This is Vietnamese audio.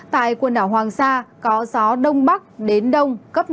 tại quần đảo hoàng sa có gió đông bắc đến đông cấp sáu